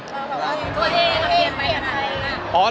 หรือว่าเราเปลี่ยนใหม่ขนาด